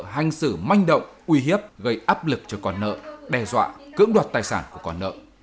hành xử manh động uy hiếp gây áp lực cho con nợ đe dọa cưỡng đoạt tài sản của con nợ